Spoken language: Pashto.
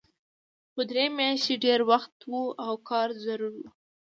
خو درې میاشتې ډېر وخت و او کار ضرور و